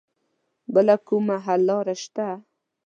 بله کومه حل لاره شته